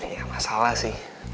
ya masalah sih